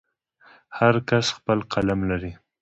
هر کس خپل قلم لري.